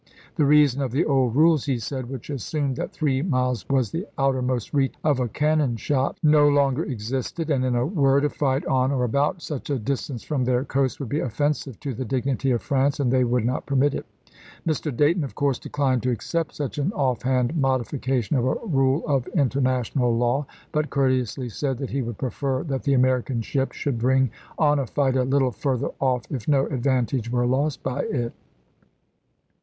" The reason of the old rules," he said, " which assumed that three miles was the outermost reach of a cannon shot, no longer existed ; and, in a word, a fight on or about such a distance from their coast would be offensive to the dignity of France, and they would not permit it." Mr. Dayton, of course, declined to accept such an off hand modification of a rule of international law, but courteously said that he would prefer that the American ship should bring on a fight a little further off if no advantage were lost by it.